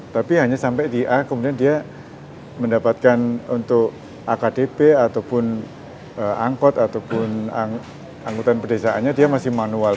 tapi hanya sampai di a kemudian dia mendapatkan untuk akdp ataupun angkot ataupun angkutan pedesaannya dia masih manual